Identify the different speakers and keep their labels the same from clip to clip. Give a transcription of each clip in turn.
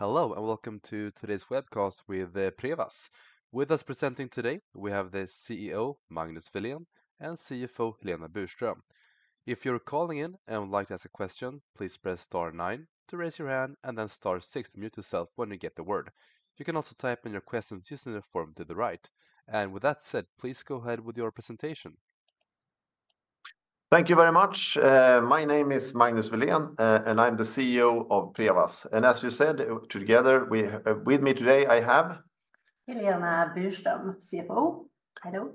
Speaker 1: Hello, and welcome to today's webcast with Prevas. With us presenting today, we have the CEO, Magnus Welén, and CFO, Helena Burström. If you're calling in and would like to ask a question, please press star nine to raise your hand, and then star six to mute yourself when you get the word. You can also type in your questions using the form to the right. With that said, please go ahead with your presentation.
Speaker 2: Thank you very much. My name is Magnus Welén, and I'm the CEO of Prevas. As you said, together with me today, I have.
Speaker 3: Helena Burström, CFO. Hello.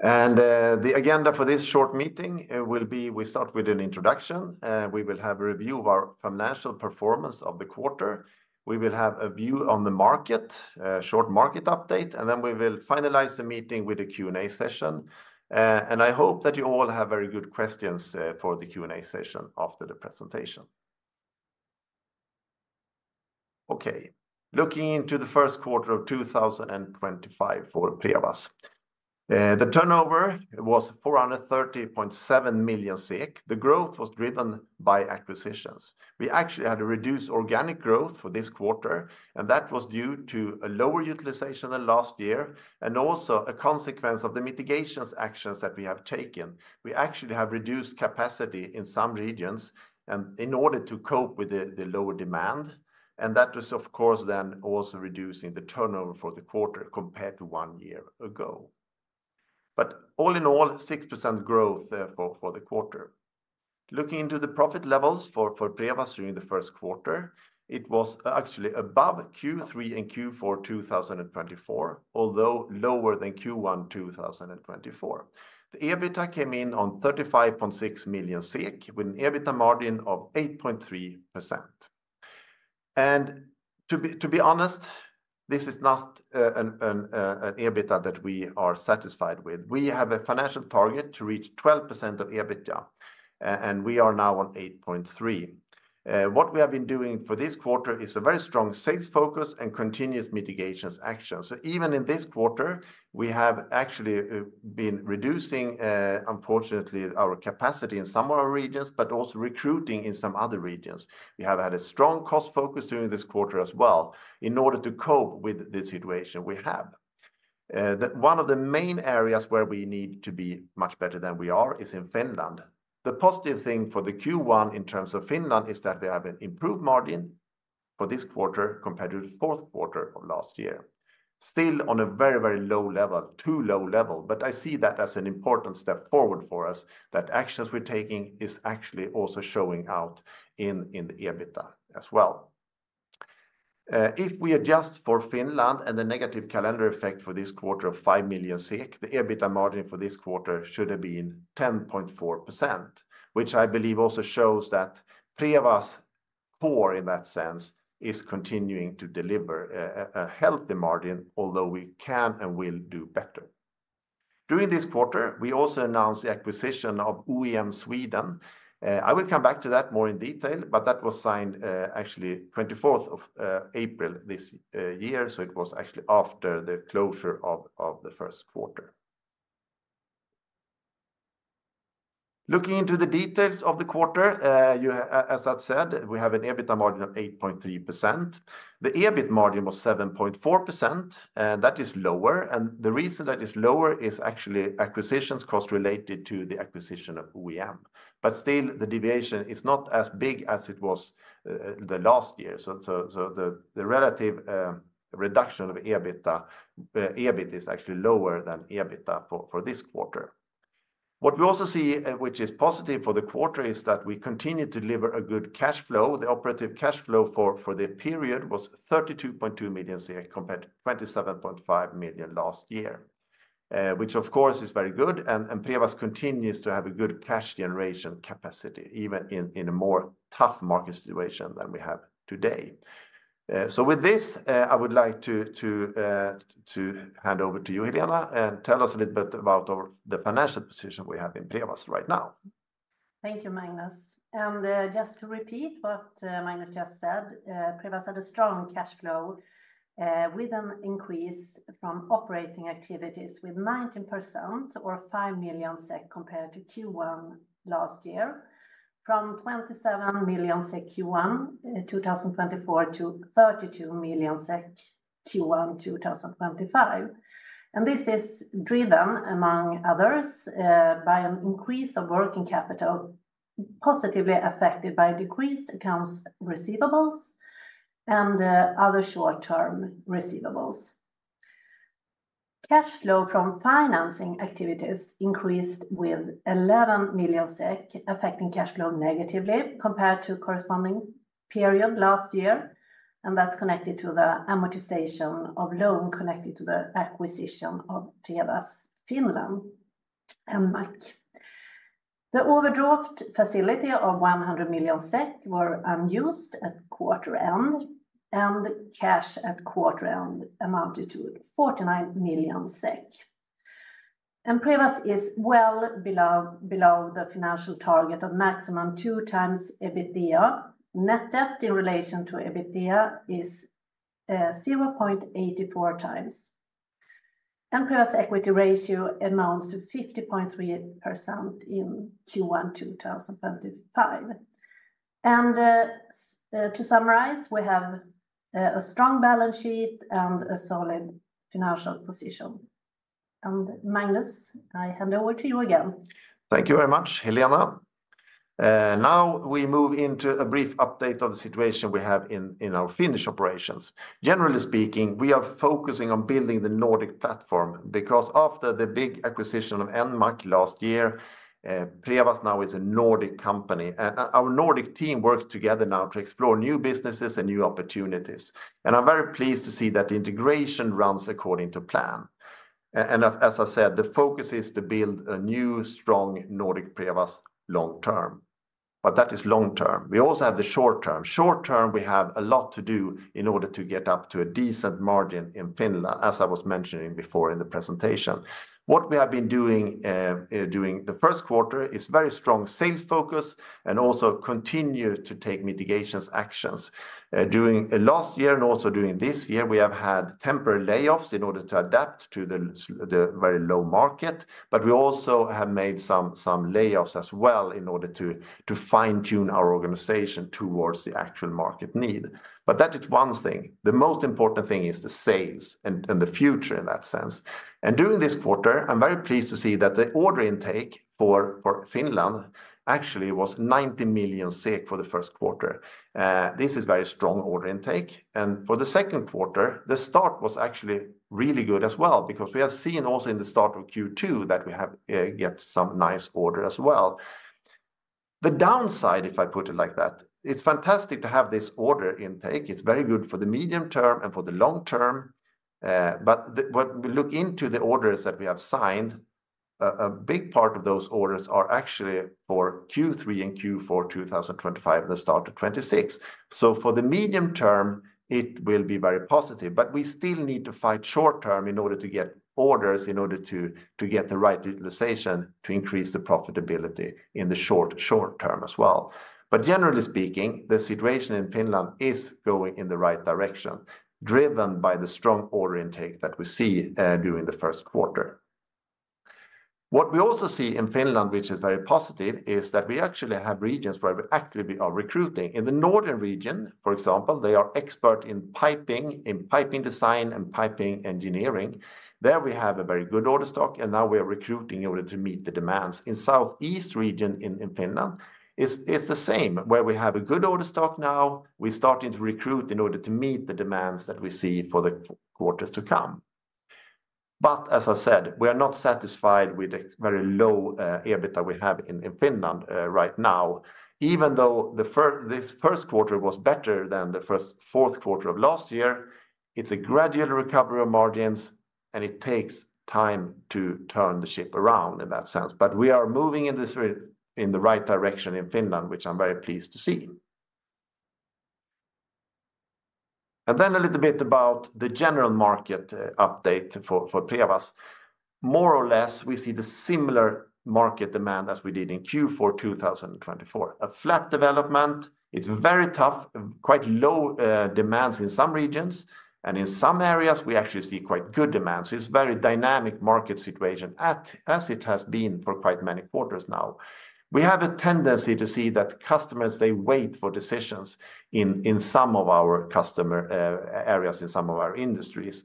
Speaker 2: The agenda for this short meeting will be we start with an introduction. We will have a review of our financial performance of the quarter. We will have a view on the market, a short market update, and then we will finalize the meeting with a Q&A session. I hope that you all have very good questions for the Q&A session after the presentation. Okay, looking into the first quarter of 2025 for Prevas. The turnover was 430.7 million. The growth was driven by acquisitions. We actually had a reduced organic growth for this quarter, and that was due to a lower utilization than last year, and also a consequence of the mitigation actions that we have taken. We actually have reduced capacity in some regions in order to cope with the lower demand. That was, of course, then also reducing the turnover for the quarter compared to one year ago. All in all, 6% growth for the quarter. Looking into the profit levels for Prevas during the first quarter, it was actually above Q3 and Q4 2024, although lower than Q1 2024. The EBITDA came in on 35.6 million SEK with an EBITDA margin of 8.3%. To be honest, this is not an EBITDA that we are satisfied with. We have a financial target to reach 12% of EBITDA, and we are now on 8.3%. What we have been doing for this quarter is a very strong sales focus and continuous mitigation actions. Even in this quarter, we have actually been reducing, unfortunately, our capacity in some of our regions, but also recruiting in some other regions. We have had a strong cost focus during this quarter as well in order to cope with the situation we have. One of the main areas where we need to be much better than we are is in Finland. The positive thing for the Q1 in terms of Finland is that we have an improved margin for this quarter compared to the fourth quarter of last year. Still on a very, very low level, too low level, but I see that as an important step forward for us that actions we're taking are actually also showing out in the EBITDA as well. If we adjust for Finland and the negative calendar effect for this quarter of 5 million SEK, the EBITDA margin for this quarter should have been 10.4%, which I believe also shows that Prevas, core in that sense, is continuing to deliver a healthy margin, although we can and will do better. During this quarter, we also announced the acquisition of OIM Sweden. I will come back to that more in detail, but that was signed actually on the 24th of April this year, so it was actually after the closure of the first quarter. Looking into the details of the quarter, as I said, we have an EBITDA margin of 8.3%. The EBIT margin was 7.4%. That is lower, and the reason that is lower is actually acquisitions cost related to the acquisition of OIM. Still, the deviation is not as big as it was last year. The relative reduction of EBITDA, EBIT is actually lower than EBITDA for this quarter. What we also see, which is positive for the quarter, is that we continue to deliver a good cash flow. The operative cash flow for the period was 32.2 million compared to 27.5 million last year, which of course is very good, and Prevas continues to have a good cash generation capacity even in a more tough market situation than we have today. With this, I would like to hand over to you, Helena, and tell us a little bit about the financial position we have in Prevas right now.
Speaker 3: Thank you, Magnus. Just to repeat what Magnus just said, Prevas had a strong cash flow with an increase from operating activities with 19% or 5 million SEK compared to Q1 last year, from 27 million SEK Q1 2024 to 32 million SEK Q1 2025. This is driven, among others, by an increase of working capital positively affected by decreased accounts receivables and other short-term receivables. Cash flow from financing activities increased with 11 million SEK, affecting cash flow negatively compared to the corresponding period last year. That is connected to the amortization of loan connected to the acquisition of Prevas Finland. The overdraft facility of 100 million SEK was unused at quarter end, and cash at quarter end amounted to SEK 49 million. Prevas is well below the financial target of maximum 2x EBITDA. Net debt in relation to EBITDA is 0.84x. Prevas' equity ratio amounts to 50.3% in Q1 2025. To summarize, we have a strong balance sheet and a solid financial position. Magnus, I hand over to you again.
Speaker 2: Thank you very much, Helena. Now we move into a brief update of the situation we have in our Finnish operations. Generally speaking, we are focusing on building the Nordic platform because after the big acquisition of Enmac last year, Prevas now is a Nordic company. Our Nordic team works together now to explore new businesses and new opportunities. I am very pleased to see that integration runs according to plan. As I said, the focus is to build a new, strong Nordic Prevas long term. That is long term. We also have the short term. Short term, we have a lot to do in order to get up to a decent margin in Finland, as I was mentioning before in the presentation. What we have been doing during the first quarter is a very strong sales focus and also continue to take mitigation actions. During last year and also during this year, we have had temporary layoffs in order to adapt to the very low market. We also have made some layoffs as well in order to fine-tune our organization towards the actual market need. That is one thing. The most important thing is the sales and the future in that sense. During this quarter, I'm very pleased to see that the order intake for Finland actually was 90 million SEK for the first quarter. This is a very strong order intake. For the second quarter, the start was actually really good as well because we have seen also in the start of Q2 that we have got some nice order as well. The downside, if I put it like that, it's fantastic to have this order intake. It's very good for the medium term and for the long term. When we look into the orders that we have signed, a big part of those orders are actually for Q3 and Q4 2025, the start of 2026. For the medium term, it will be very positive. We still need to fight short term in order to get orders, in order to get the right utilization to increase the profitability in the short term as well. Generally speaking, the situation in Finland is going in the right direction, driven by the strong order intake that we see during the first quarter. What we also see in Finland, which is very positive, is that we actually have regions where we actively are recruiting. In the northern region, for example, they are expert in piping, in piping design and piping engineering. There we have a very good order stock, and now we are recruiting in order to meet the demands. In the southeast region in Finland, it's the same, where we have a good order stock now. We're starting to recruit in order to meet the demands that we see for the quarters to come. As I said, we are not satisfied with the very low EBITDA we have in Finland right now. Even though this first quarter was better than the fourth quarter of last year, it's a gradual recovery of margins, and it takes time to turn the ship around in that sense. We are moving in the right direction in Finland, which I'm very pleased to see. A little bit about the general market update for Prevas. More or less, we see the similar market demand as we did in Q4 2024. A flat development. It's very tough, quite low demands in some regions. In some areas, we actually see quite good demands. It's a very dynamic market situation, as it has been for quite many quarters now. We have a tendency to see that customers, they wait for decisions in some of our customer areas, in some of our industries.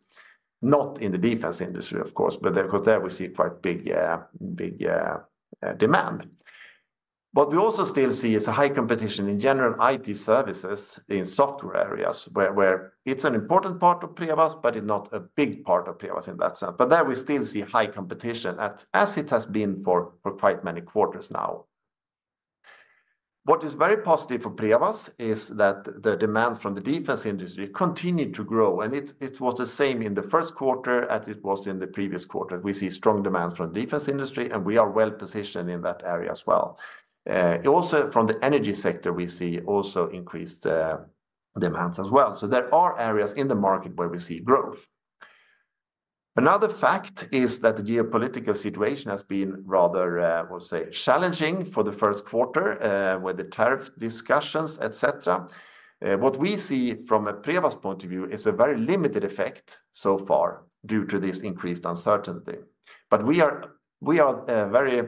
Speaker 2: Not in the defense industry, of course, but there we see quite big demand. What we also still see is high competition in general IT services in software areas, where it's an important part of Prevas, but it's not a big part of Prevas in that sense. There we still see high competition, as it has been for quite many quarters now. What is very positive for Prevas is that the demand from the defense industry continued to grow. It was the same in the first quarter as it was in the previous quarter. We see strong demand from the defense industry, and we are well positioned in that area as well. Also, from the energy sector, we see increased demands as well. There are areas in the market where we see growth. Another fact is that the geopolitical situation has been rather, I would say, challenging for the first quarter with the tariff discussions, et cetera. What we see from a Prevas point of view is a very limited effect so far due to this increased uncertainty. We are very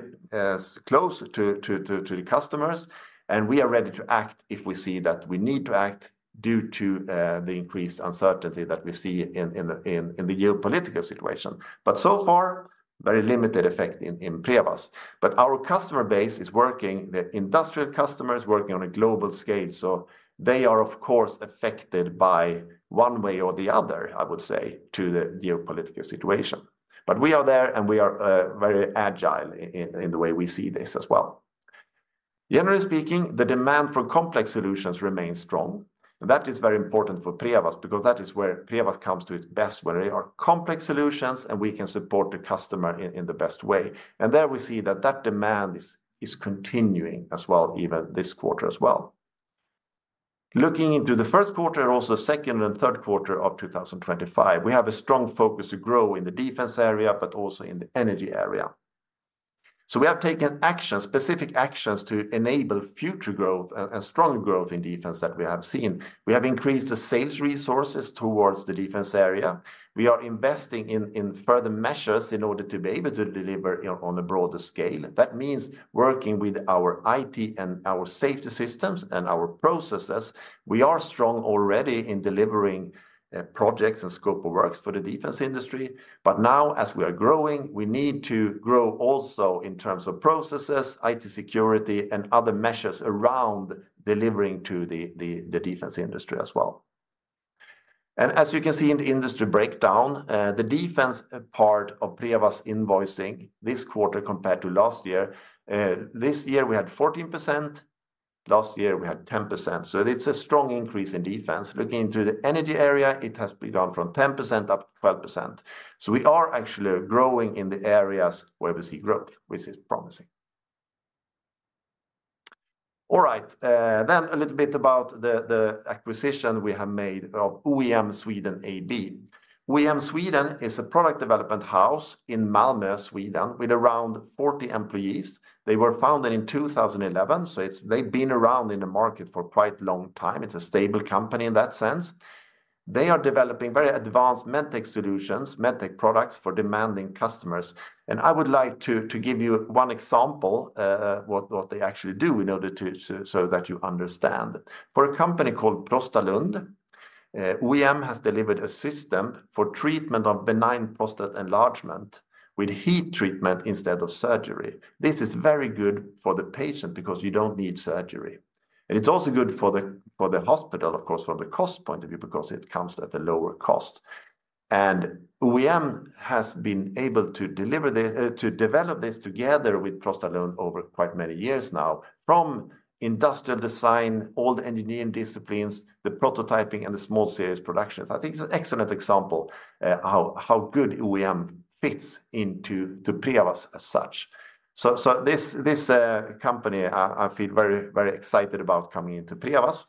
Speaker 2: close to the customers, and we are ready to act if we see that we need to act due to the increased uncertainty that we see in the geopolitical situation. So far, very limited effect in Prevas. Our customer base is working, the industrial customers working on a global scale. They are, of course, affected by one way or the other, I would say, to the geopolitical situation. We are there, and we are very agile in the way we see this as well. Generally speaking, the demand for complex solutions remains strong. That is very important for Prevas because that is where Prevas comes to its best, where there are complex solutions and we can support the customer in the best way. There we see that that demand is continuing as well, even this quarter as well. Looking into the first quarter, also second and third quarter of 2025, we have a strong focus to grow in the defense area, but also in the energy area. We have taken action, specific actions to enable future growth and strong growth in defense that we have seen. We have increased the sales resources towards the defense area. We are investing in further measures in order to be able to deliver on a broader scale. That means working with our IT and our safety systems and our processes. We are strong already in delivering projects and scope of works for the defense industry. Now, as we are growing, we need to grow also in terms of processes, IT security, and other measures around delivering to the defense industry as well. As you can see in the industry breakdown, the defense part of Prevas invoicing this quarter compared to last year. This year we had 14%. Last year we had 10%. It is a strong increase in defense. Looking into the energy area, it has begun from 10% up to 12%. We are actually growing in the areas where we see growth, which is promising. All right, then a little bit about the acquisition we have made of OIM Sweden AB. OIM Sweden is a product development house in Malmö, Sweden, with around 40 employees. They were founded in 2011, so they've been around in the market for quite a long time. It's a stable company in that sense. They are developing very advanced Medtech solutions, Medtech products for demanding customers. I would like to give you one example of what they actually do so that you understand. For a company called ProstaLund, OIM has delivered a system for treatment of benign prostate enlargement with heat treatment instead of surgery. This is very good for the patient because you don't need surgery. It is also good for the hospital, of course, from the cost point of view because it comes at a lower cost. OIM has been able to develop this together with ProstaLund over quite many years now, from industrial design, all the engineering disciplines, the prototyping, and the small series productions. I think it is an excellent example of how good OIM fits into Prevas as such. This company, I feel very, very excited about coming into Prevas.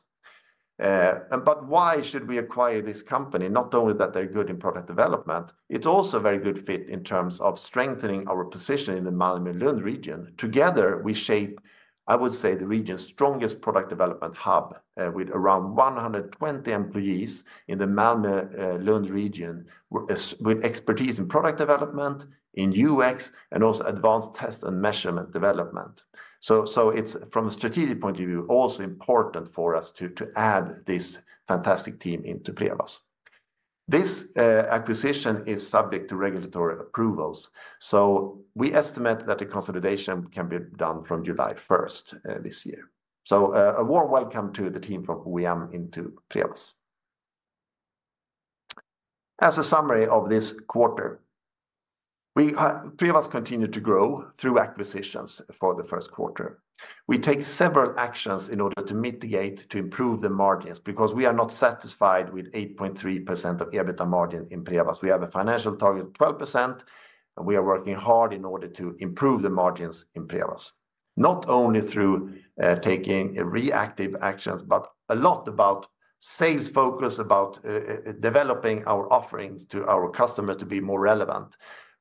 Speaker 2: Why should we acquire this company? Not only that they are good in product development, it is also a very good fit in terms of strengthening our position in the Malmö Lund region. Together, we shape, I would say, the region's strongest product development hub with around 120 employees in the Malmö Lund region, with expertise in product development, in UX, and also advanced test and measurement development. From a strategic point of view, it is also important for us to add this fantastic team into Prevas. This acquisition is subject to regulatory approvals. We estimate that the consolidation can be done from July 1st this year. A warm welcome to the team from OIM into Prevas. As a summary of this quarter, Prevas continued to grow through acquisitions for the first quarter. We take several actions in order to mitigate, to improve the margins because we are not satisfied with 8.3% of EBITDA margin in Prevas. We have a financial target of 12%, and we are working hard in order to improve the margins in Prevas, not only through taking reactive actions, but a lot about sales focus, about developing our offerings to our customers to be more relevant.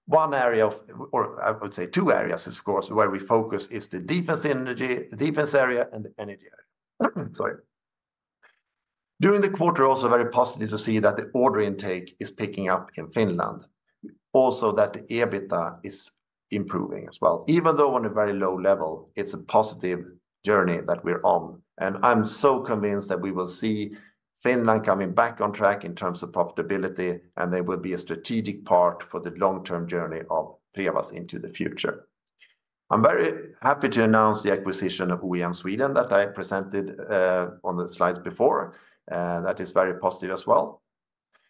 Speaker 2: One area, or I would say two areas, of course, where we focus is the defense area, and the energy area. Sorry. During the quarter, also very positive to see that the order intake is picking up in Finland. Also that the EBITDA is improving as well. Even though on a very low level, it's a positive journey that we're on. And I'm so convinced that we will see Finland coming back on track in terms of profitability, and there will be a strategic part for the long-term journey of Prevas into the future. I'm very happy to announce the acquisition of OIM Sweden that I presented on the slides before. That is very positive as well.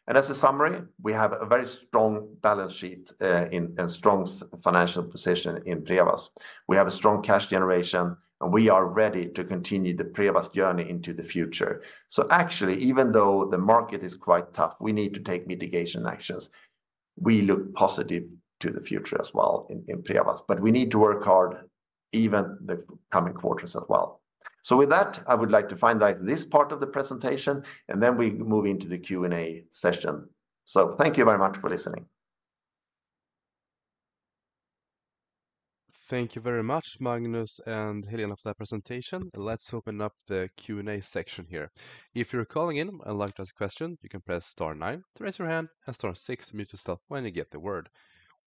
Speaker 2: As a summary, we have a very strong balance sheet and strong financial position in Prevas. We have a strong cash generation, and we are ready to continue the Prevas journey into the future. Actually, even though the market is quite tough, we need to take mitigation actions. We look positive to the future as well in Prevas, but we need to work hard even the coming quarters as well. With that, I would like to finalize this part of the presentation, and then we move into the Q&A session. Thank you very much for listening.
Speaker 1: Thank you very much, Magnus and Helena, for that presentation. Let's open up the Q&A section here. If you're calling in and would like to ask a question, you can press star nine to raise your hand and star six to mute yourself when you get the word.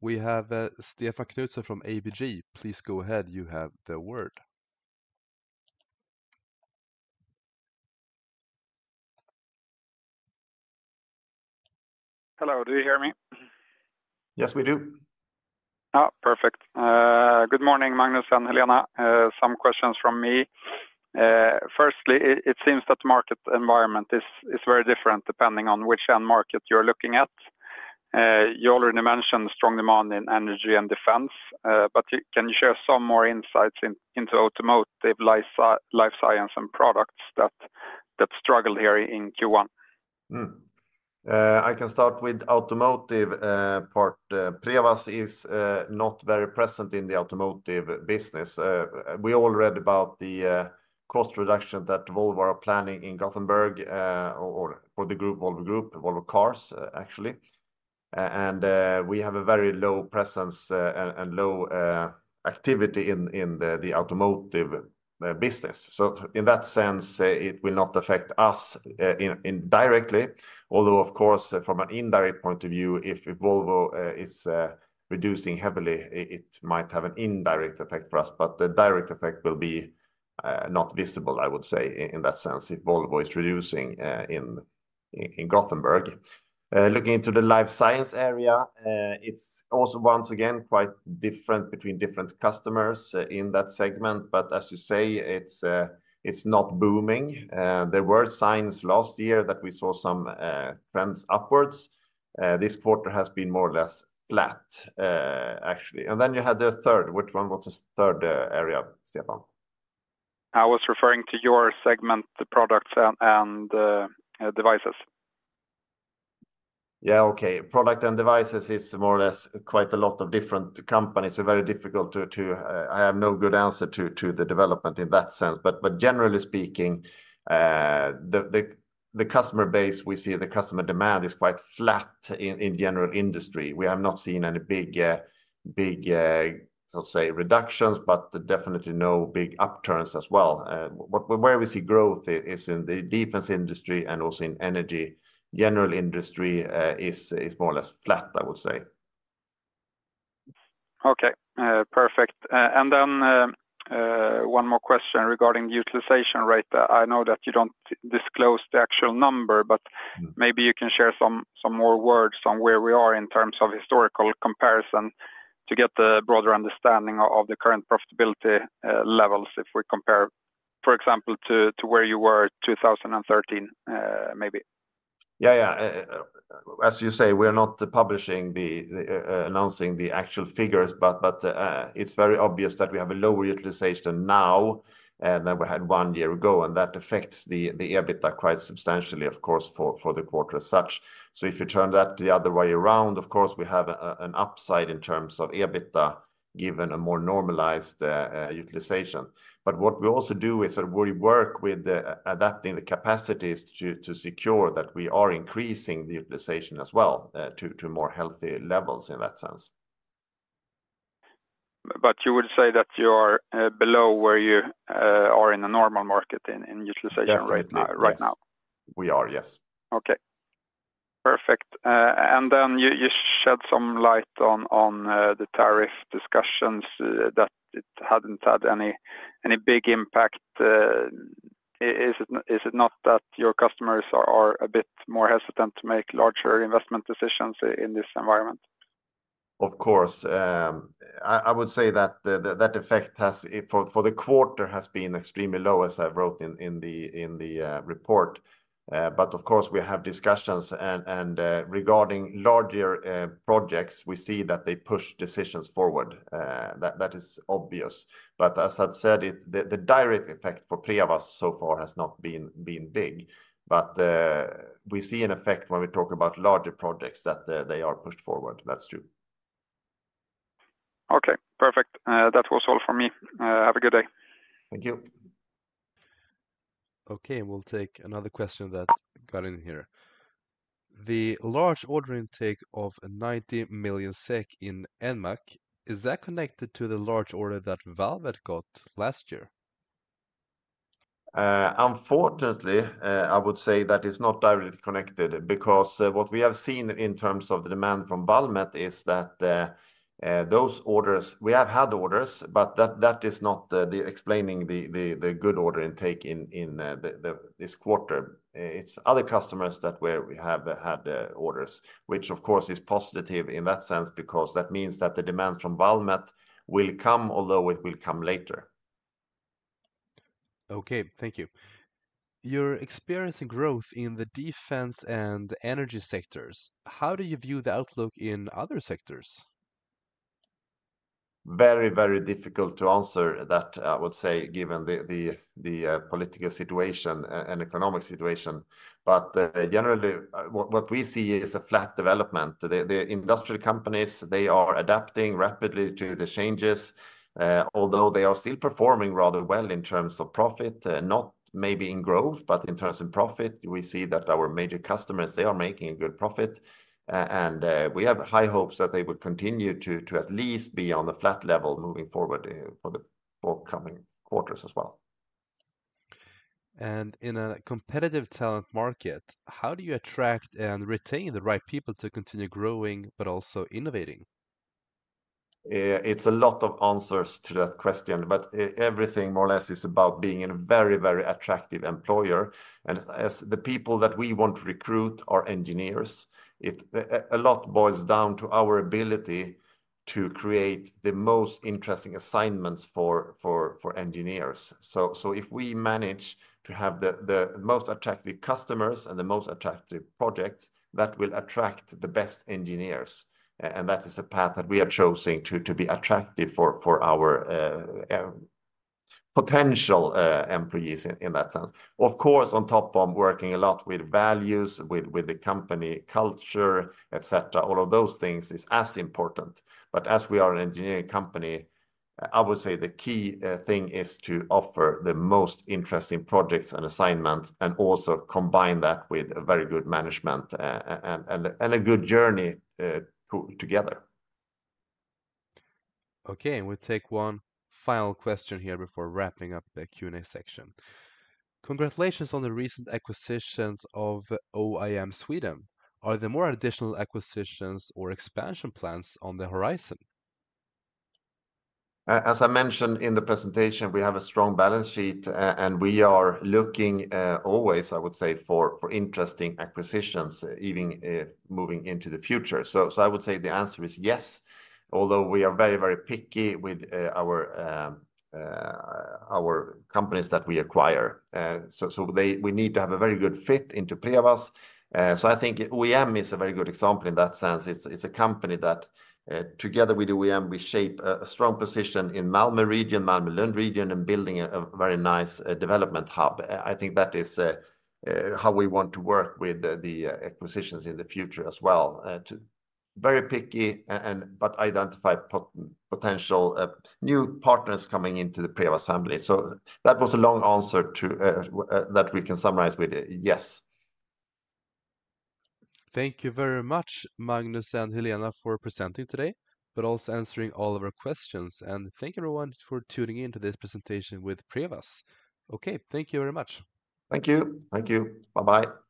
Speaker 1: We have Stefan Knutsson from ABG. Please go ahead. You have the word.
Speaker 4: Hello, do you hear me?
Speaker 2: Yes, we do.
Speaker 4: Perfect. Good morning, Magnus and Helena. Some questions from me. Firstly, it seems that the market environment is very different depending on which end market you're looking at. You already mentioned strong demand in energy and defense, but can you share some more insights into automotive, life science, and products that struggle here in Q1?
Speaker 2: I can start with automotive part. Prevas is not very present in the automotive business. We all read about the cost reduction that Volvo are planning in Gothenburg for the group Volvo Group, Volvo Cars, actually. We have a very low presence and low activity in the automotive business. In that sense, it will not affect us directly. Although, of course, from an indirect point of view, if Volvo is reducing heavily, it might have an indirect effect for us. The direct effect will be not visible, I would say, in that sense if Volvo is reducing in Gothenburg. Looking into the life science area, it's also once again quite different between different customers in that segment. As you say, it's not booming. There were signs last year that we saw some trends upwards. This quarter has been more or less flat, actually. Then you had the third. Which one was the third area, Stefan?
Speaker 4: I was referring to your segment, the products and devices.
Speaker 2: Yeah, okay. Product and devices is more or less quite a lot of different companies. Very difficult to, I have no good answer to the development in that sense. Generally speaking, the customer base we see, the customer demand is quite flat in general industry. We have not seen any big, I would say, reductions, but definitely no big upturns as well. Where we see growth is in the defense industry and also in energy. General industry is more or less flat, I would say.
Speaker 4: Okay, perfect. And then one more question regarding the utilization rate. I know that you do not disclose the actual number, but maybe you can share some more words on where we are in terms of historical comparison to get a broader understanding of the current profitability levels if we compare, for example, to where you were in 2013, maybe.
Speaker 2: Yeah, yeah. As you say, we are not publishing, announcing the actual figures, but it is very obvious that we have a lower utilization now than we had one year ago. That affects the EBITDA quite substantially, of course, for the quarter as such. If you turn that the other way around, of course, we have an upside in terms of EBITDA given a more normalized utilization. What we also do is we work with adapting the capacities to secure that we are increasing the utilization as well to more healthy levels in that sense.
Speaker 4: You would say that you are below where you are in the normal market in utilization right now? We are, yes. Okay. Perfect. You shed some light on the tariff discussions that it had not had any big impact. Is it not that your customers are a bit more hesitant to make larger investment decisions in this environment?
Speaker 2: Of course. I would say that that effect for the quarter has been extremely low, as I wrote in the report. Of course, we have discussions. Regarding larger projects, we see that they push decisions forward. That is obvious. As I said, the direct effect for Prevas so far has not been big. We see an effect when we talk about larger projects that they are pushed forward. That's true.
Speaker 4: Okay, perfect. That was all for me. Have a good day.
Speaker 2: Thank you.
Speaker 1: Okay, we'll take another question that got in here. The large order intake of 90 million SEK in Enmac, is that connected to the large order that Valmet got last year?
Speaker 2: Unfortunately, I would say that it's not directly connected because what we have seen in terms of the demand from Valmet is that those orders, we have had orders, but that is not explaining the good order intake in this quarter. It's other customers that we have had orders, which of course is positive in that sense because that means that the demand from Valmet will come, although it will come later.
Speaker 1: Okay, thank you. Your experience in growth in the defense and energy sectors, how do you view the outlook in other sectors?
Speaker 2: Very, very difficult to answer that, I would say, given the political situation and economic situation. Generally, what we see is a flat development. The industrial companies, they are adapting rapidly to the changes, although they are still performing rather well in terms of profit, not maybe in growth, but in terms of profit. We see that our major customers, they are making a good profit. We have high hopes that they will continue to at least be on the flat level moving forward for the forthcoming quarters as well.
Speaker 1: In a competitive talent market, how do you attract and retain the right people to continue growing, but also innovating?
Speaker 2: It's a lot of answers to that question, but everything more or less is about being a very, very attractive employer. As the people that we want to recruit are engineers, a lot boils down to our ability to create the most interesting assignments for engineers. If we manage to have the most attractive customers and the most attractive projects, that will attract the best engineers. That is a path that we are choosing to be attractive for our potential employees in that sense. Of course, on top of working a lot with values, with the company culture, et cetera, all of those things are as important. As we are an engineering company, I would say the key thing is to offer the most interesting projects and assignments and also combine that with very good management and a good journey together.
Speaker 1: Okay, and we'll take one final question here before wrapping up the Q&A section. Congratulations on the recent acquisitions of OIM Sweden. Are there more additional acquisitions or expansion plans on the horizon?
Speaker 2: As I mentioned in the presentation, we have a strong balance sheet and we are looking always, I would say, for interesting acquisitions even moving into the future. I would say the answer is yes, although we are very, very picky with our companies that we acquire. We need to have a very good fit into Prevas. I think OIM is a very good example in that sense. It's a company that together with OIM, we shape a strong position in the Malmö region, Malmö Lund region, and building a very nice development hub. I think that is how we want to work with the acquisitions in the future as well. Very picky, but identify potential new partners coming into the Prevas family. So that was a long answer that we can summarize with a yes.
Speaker 1: Thank you very much, Magnus and Helena, for presenting today, but also answering all of our questions. And thank everyone for tuning into this presentation with Prevas. Okay, thank you very much.
Speaker 2: Thank you. Thank you. Bye-bye.